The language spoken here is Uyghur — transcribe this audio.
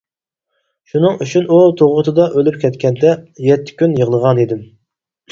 شۇنىڭ ئۈچۈن، ئۇ تۇغۇتىدا ئۆلۈپ كەتكەندە، يەتتە كۈن يىغلىغانىدىم.